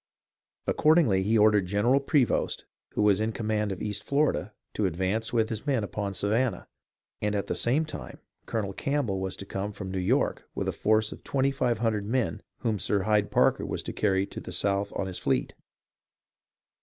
Accord ingly he ordered General Prevost, who was in command of East Florida, to advance with his men upon Savannah, and at the same time Colonel Campbell was to come from New York with a force of twenty five hundred men whom Sir Hyde Parker was to carry to the South on his fleet.